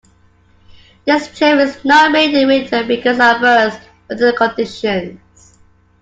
This trip is not made in the winter because of adverse weather conditions.